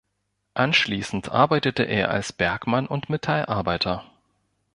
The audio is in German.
Anschließend arbeitete er als Bergmann und Metallarbeiter.